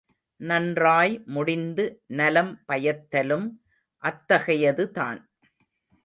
நன்றாய் முடிந்து நலம் பயத்தலும், அத்தகையது தான்.